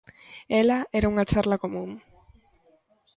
Ela era unha charla común.